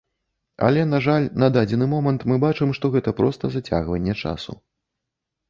Але, на жаль, на дадзены момант мы бачым, што гэта проста зацягванне часу.